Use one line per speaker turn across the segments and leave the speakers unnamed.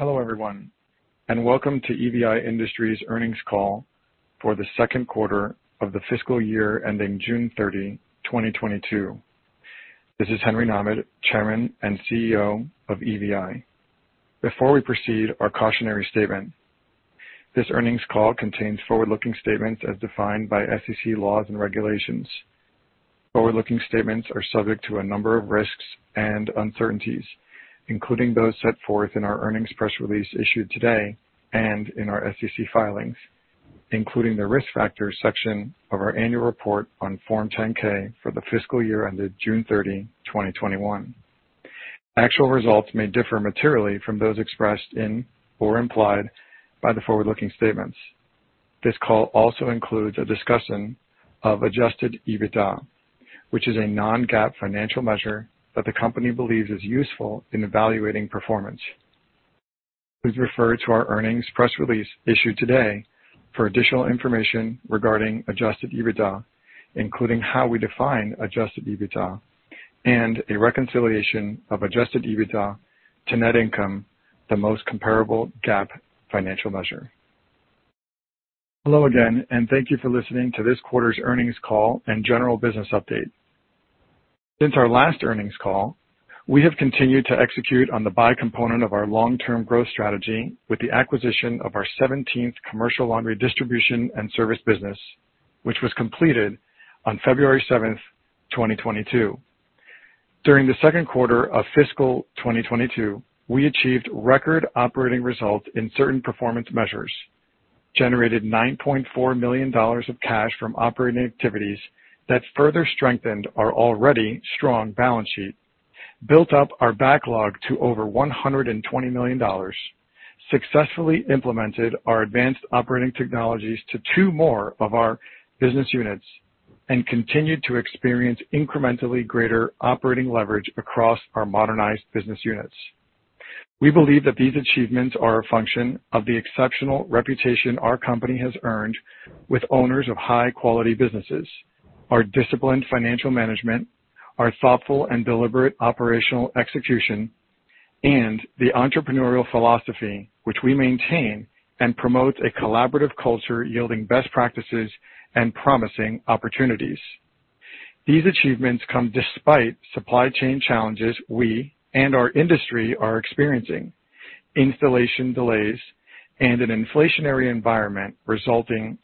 Hello, everyone, and welcome to EVI Industries Earnings Call for the second quarter of the fiscal year ending June 30, 2022. This is Henry M. Nahmad, Chairman and CEO of EVI. Before we proceed, our cautionary statement. This earnings call contains forward-looking statements as defined by SEC laws and regulations. Forward-looking statements are subject to a number of risks and uncertainties, including those set forth in our earnings press release issued today and in our SEC filings, including the Risk Factors section of our Annual Report on Form 10-K for the fiscal year ended June 30, 2021. Actual results may differ materially from those expressed in or implied by the forward-looking statements. This call also includes a discussion of adjusted EBITDA, which is a non-GAAP financial measure that the company believes is useful in evaluating performance. Please refer to our earnings press release issued today for additional information regarding adjusted EBITDA, including how we define adjusted EBITDA and a reconciliation of adjusted EBITDA to net income, the most comparable GAAP financial measure. Hello again, and thank you for listening to this quarter's earnings call and general business update. Since our last earnings call, we have continued to execute on the buy component of our long-term growth strategy with the acquisition of our seventeenth commercial laundry distribution and service business, which was completed on February 7th, 2022. During the second quarter of fiscal 2022, we achieved record operating results in certain performance measures, generated $9.4 million of cash from operating activities that further strengthened our already strong balance sheet, built up our backlog to over $120 million, successfully implemented our advanced operating technologies to two more of our business units, and continued to experience incrementally greater operating leverage across our modernized business units. We believe that these achievements are a function of the exceptional reputation our company has earned with owners of high-quality businesses, our disciplined financial management, our thoughtful and deliberate operational execution, and the entrepreneurial philosophy which we maintain and promotes a collaborative culture yielding best practices and promising opportunities. These achievements come despite supply chain challenges we and our industry are experiencing, installation delays, and an inflationary environment resulting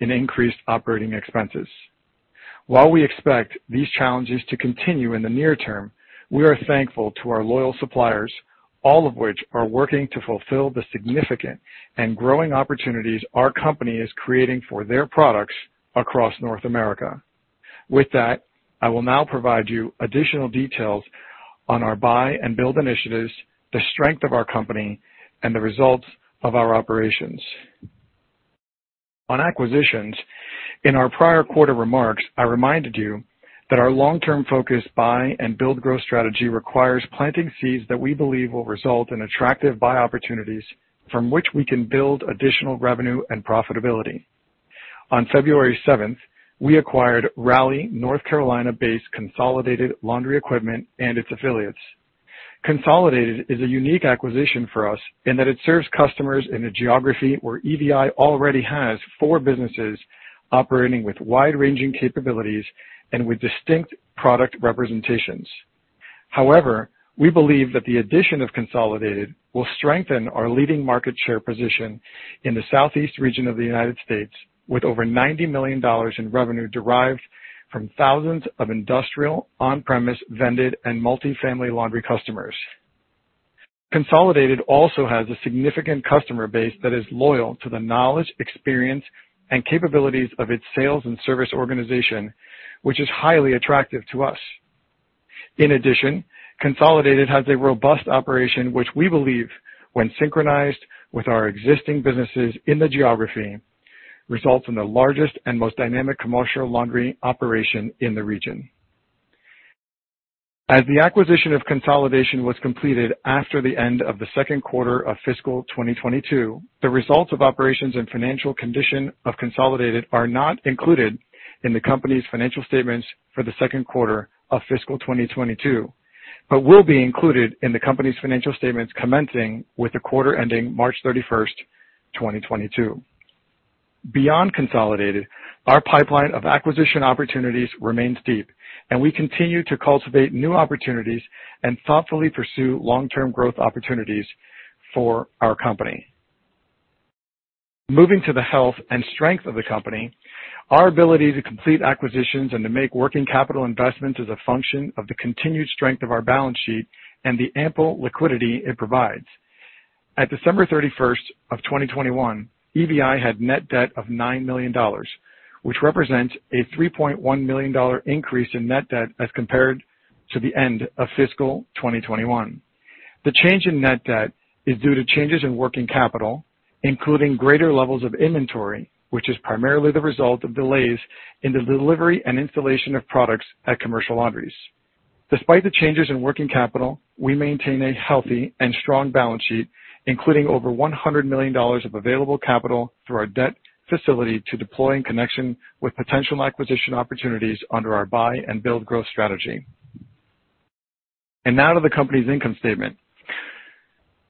in increased operating expenses. While we expect these challenges to continue in the near term, we are thankful to our loyal suppliers, all of which are working to fulfill the significant and growing opportunities our company is creating for their products across North America. With that, I will now provide you additional details on our buy and build initiatives, the strength of our company, and the results of our operations. On acquisitions, in our prior quarter remarks, I reminded you that our long-term focused buy and build growth strategy requires planting seeds that we believe will result in attractive buy opportunities from which we can build additional revenue and profitability. On February 7th, we acquired Raleigh, North Carolina-based Consolidated Laundry Equipment and its affiliates. Consolidated is a unique acquisition for us in that it serves customers in a geography where EVI already has four businesses operating with wide-ranging capabilities and with distinct product representations. However, we believe that the addition of Consolidated will strengthen our leading market share position in the Southeast region of the United States, with over $90 million in revenue derived from thousands of industrial, on-premise, vended, and multi-family laundry customers. Consolidated also has a significant customer base that is loyal to the knowledge, experience, and capabilities of its sales and service organization, which is highly attractive to us. In addition, Consolidated has a robust operation which we believe, when synchronized with our existing businesses in the geography, results in the largest and most dynamic commercial laundry operation in the region. As the acquisition of Consolidated was completed after the end of the second quarter of fiscal 2022, the results of operations and financial condition of Consolidated are not included in the company's financial statements for the second quarter of fiscal 2022, but will be included in the company's financial statements commencing with the quarter ending March 31st, 2022. Beyond Consolidated, our pipeline of acquisition opportunities remains deep, and we continue to cultivate new opportunities and thoughtfully pursue long-term growth opportunities for our company. Moving to the health and strength of the company, our ability to complete acquisitions and to make working capital investments is a function of the continued strength of our balance sheet and the ample liquidity it provides. At December 31st, 2021, EVI had net debt of $9 million, which represents a $3.1 million increase in net debt as compared to the end of fiscal 2021. The change in net debt is due to changes in working capital, including greater levels of inventory, which is primarily the result of delays in the delivery and installation of products at commercial laundries. Despite the changes in working capital, we maintain a healthy and strong balance sheet, including over $100 million of available capital through our debt facility to deploy in connection with potential acquisition opportunities under our buy and build growth strategy. Now to the company's income statement.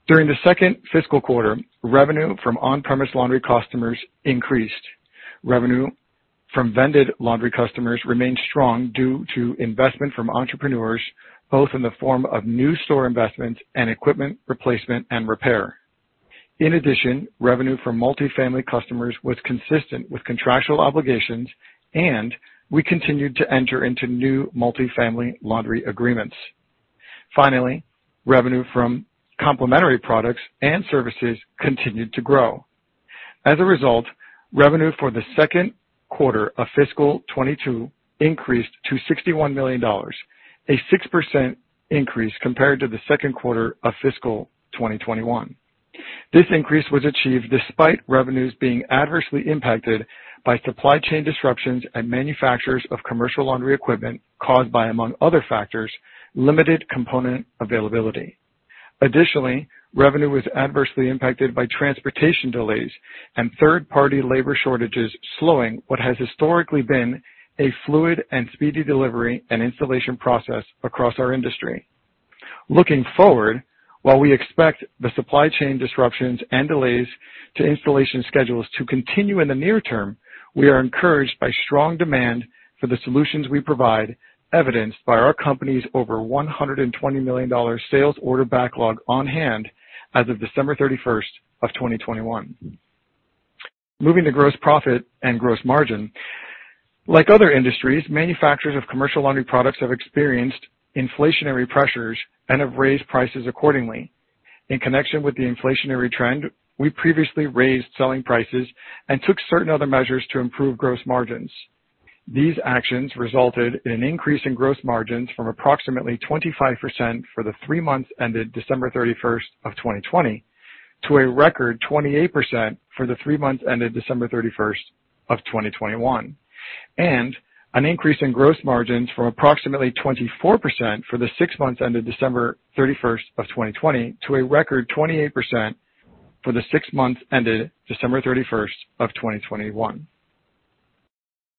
During the second fiscal quarter, revenue from on-premise laundry customers increased. Revenue from vended laundry customers remained strong due to investment from entrepreneurs, both in the form of new store investments and equipment replacement and repair. In addition, revenue from multi-family customers was consistent with contractual obligations, and we continued to enter into new multi-family laundry agreements. Finally, revenue from complementary products and services continued to grow. As a result, revenue for the second quarter of fiscal 2022 increased to $61 million, a 6% increase compared to the second quarter of fiscal 2021. This increase was achieved despite revenues being adversely impacted by supply chain disruptions at manufacturers of commercial laundry equipment caused by, among other factors, limited component availability. Additionally, revenue was adversely impacted by transportation delays and third-party labor shortages, slowing what has historically been a fluid and speedy delivery and installation process across our industry. Looking forward, while we expect the supply chain disruptions and delays to installation schedules to continue in the near term, we are encouraged by strong demand for the solutions we provide, evidenced by our company's over $120 million sales order backlog on hand as of December 31st, 2021. Moving to gross profit and gross margin. Like other industries, manufacturers of commercial laundry products have experienced inflationary pressures and have raised prices accordingly. In connection with the inflationary trend, we previously raised selling prices and took certain other measures to improve gross margins. These actions resulted in an increase in gross margins from approximately 25% for the three months ended December 31st, 2020, to a record 28% for the three months ended December 31st, 2021, and an increase in gross margins from approximately 24% for the six months ended December 31st, 2020, to a record 28% for the six months ended December 31st, 2021.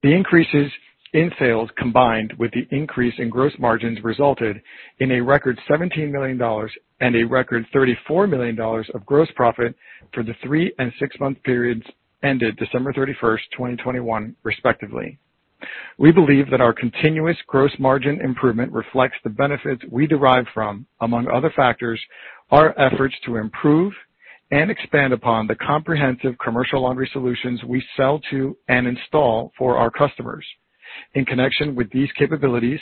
The increases in sales, combined with the increase in gross margins, resulted in a record $17 million and a record $34 million of gross profit for the three- and six-month periods ended December 31st, 2021, respectively. We believe that our continuous gross margin improvement reflects the benefits we derive from, among other factors, our efforts to improve and expand upon the comprehensive commercial laundry solutions we sell to and install for our customers. In connection with these capabilities,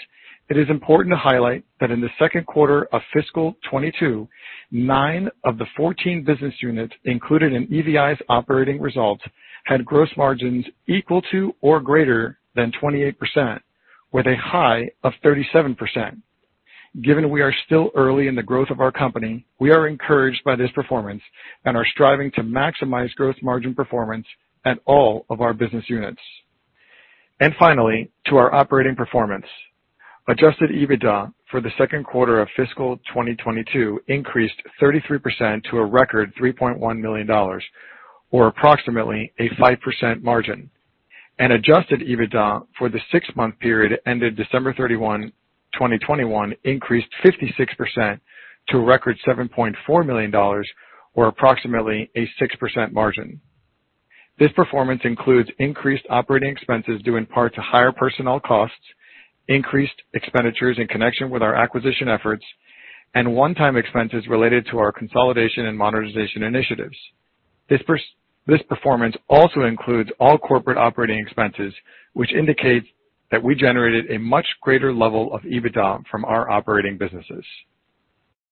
it is important to highlight that in the second quarter of fiscal 2022, nine of the 14 business units included in EVI's operating results had gross margins equal to or greater than 28%, with a high of 37%. Given we are still early in the growth of our company, we are encouraged by this performance and are striving to maximize gross margin performance at all of our business units. Finally, to our operating performance. Adjusted EBITDA for the second quarter of fiscal 2022 increased 33% to a record $3.1 million, or approximately a 5% margin. Adjusted EBITDA for the six-month period ended December 31st, 2021, increased 56% to a record $7.4 million, or approximately a 6% margin. This performance includes increased operating expenses due in part to higher personnel costs, increased expenditures in connection with our acquisition efforts, and one-time expenses related to our consolidation and monetization initiatives. This performance also includes all corporate operating expenses, which indicates that we generated a much greater level of EBITDA from our operating businesses.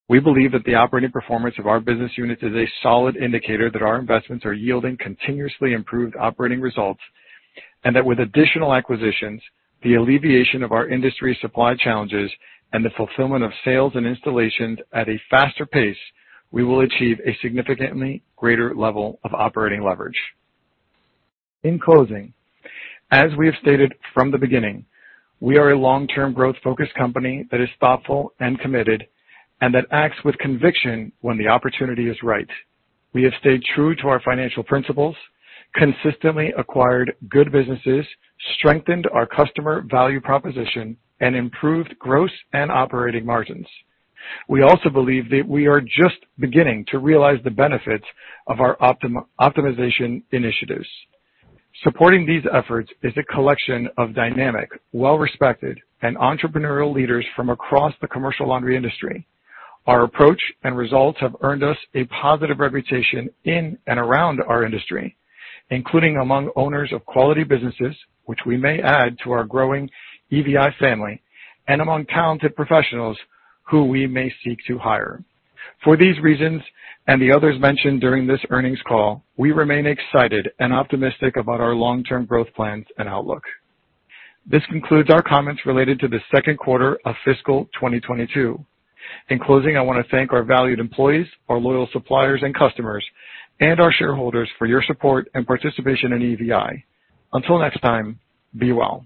We believe that the operating performance of our business units is a solid indicator that our investments are yielding continuously improved operating results, and that with additional acquisitions, the alleviation of our industry supply challenges, and the fulfillment of sales and installations at a faster pace, we will achieve a significantly greater level of operating leverage. In closing, as we have stated from the beginning, we are a long-term growth-focused company that is thoughtful and committed and that acts with conviction when the opportunity is right. We have stayed true to our financial principles, consistently acquired good businesses, strengthened our customer value proposition, and improved gross and operating margins. We also believe that we are just beginning to realize the benefits of our optimization initiatives. Supporting these efforts is a collection of dynamic, well-respected, and entrepreneurial leaders from across the commercial laundry industry. Our approach and results have earned us a positive reputation in and around our industry, including among owners of quality businesses, which we may add to our growing EVI family, and among talented professionals who we may seek to hire. For these reasons, and the others mentioned during this earnings call, we remain excited and optimistic about our long-term growth plans and outlook. This concludes our comments related to the second quarter of fiscal 2022. In closing, I want to thank our valued employees, our loyal suppliers and customers, and our shareholders for your support and participation in EVI. Until next time, be well.